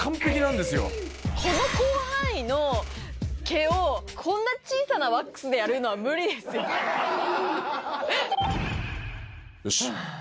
この広範囲の毛をこんな小さなワックスでやるのは無理ですよ。